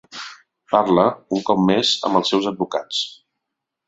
Parla, un cop més, amb els seus advocats.